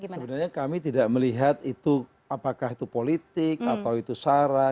sebenarnya kami tidak melihat itu apakah itu politik atau itu sara